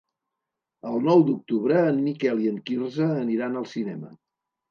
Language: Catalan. El nou d'octubre en Miquel i en Quirze aniran al cinema.